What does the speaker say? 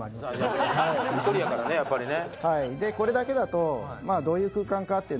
１人やからねやっぱりね。